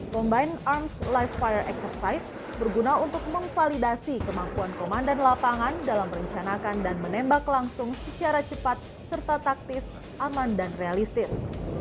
combine arms life fire exercise berguna untuk memvalidasi kemampuan komandan lapangan dalam merencanakan dan menembak langsung secara cepat serta taktis aman dan realistis